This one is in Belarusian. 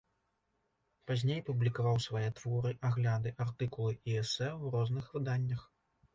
Пазней публікаваў свае творы, агляды, артыкулы і эсэ ў розных выданнях.